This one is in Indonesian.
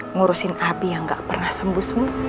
ngurusin abi yang gak pernah sembuh sembuh